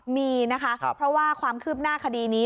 มีนะคะเพราะว่าความคืบหน้าคดีนี้